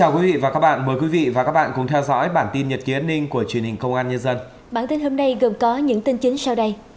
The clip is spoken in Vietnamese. các bạn hãy đăng ký kênh để ủng hộ kênh của chúng mình nhé